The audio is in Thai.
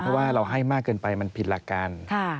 เพราะว่าเราให้มากเกินไปมันผิดหลักการ